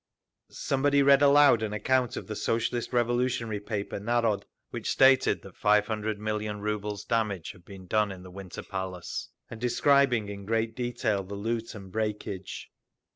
Somebody read aloud an account in the Socialist Revolutionary paper Narod, which stated that five hundred million rubles' worth of damage had been done in the Winter Palace, and describing in great detail the loot and breakage.